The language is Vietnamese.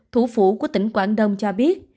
thủ phủ của tỉnh quảng đông cho biết